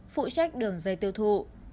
phụ trách đường dây tiêu thụ